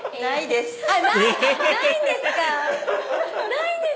ないです。